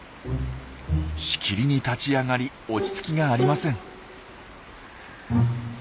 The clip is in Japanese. しきりに立ち上がり落ち着きがありません。